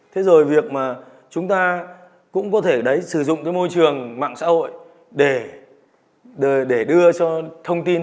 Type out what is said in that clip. thế rồi việc mà chúng ta cũng có thể đấy sử dụng cái môi trường mạng xã hội để đưa cho thông tin